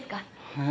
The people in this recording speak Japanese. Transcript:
え？